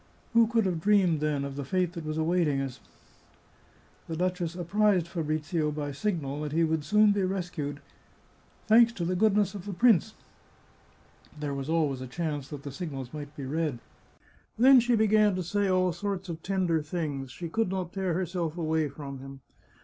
Who could have dreamed, then, of the fate that was awaiting us !" The duchess apprised Fabrizio by signal that he would soon be rescued, " thanks to the goodness of the prince " (there was always a chance that the signals might be read). Then she began to say all sorts of tender things; she could not tear herself away from him.